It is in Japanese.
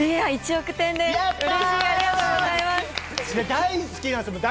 １億点です。